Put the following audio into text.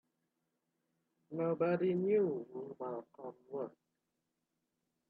Nobody knew who Malcolm was.